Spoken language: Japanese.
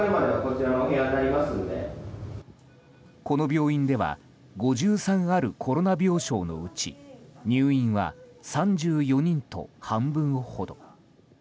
この病院では５３あるコロナ病床のうち入院は３４人と半分ほど。